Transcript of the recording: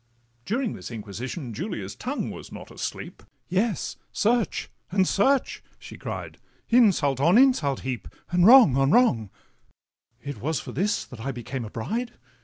During this inquisition, Julia's tongue Was not asleep—'Yes, search and search,' she cried, 'Insult on insult heap, and wrong on wrong! It was for this that I became a bride!